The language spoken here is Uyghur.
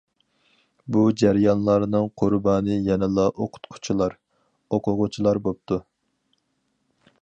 بۇ جەريانلارنىڭ قۇربانى يەنىلا ئوقۇتقۇچىلار، ئوقۇغۇچىلار بوپتۇ.